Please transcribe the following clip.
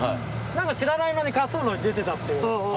何か知らない間に滑走路に出てたっていう。